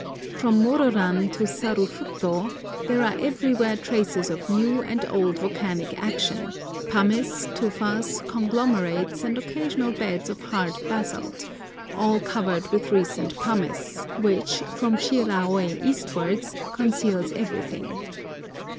From Mororan to Sarufuto there are everywhere traces of new and old volcanic action—pumice, tufas, conglomerates, and occasional beds of hard basalt, all covered with recent pumice, which, from Shiraôi eastwards, conceals everything.